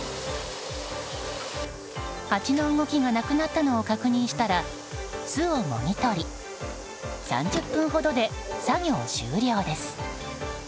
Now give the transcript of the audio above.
ハチの動きがなくなったのを確認したら、巣をもぎ取り３０分ほどで作業終了です。